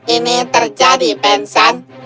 ini terjadi benson